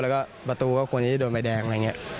แล้วก็บะตูก็ควรยิ้นที่โดนใบแดง